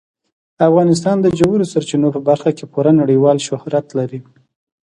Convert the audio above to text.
افغانستان د ژورو سرچینو په برخه کې پوره نړیوال شهرت لري.